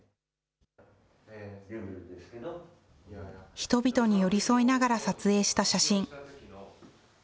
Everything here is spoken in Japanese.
人々に寄り添いながら撮影した写真。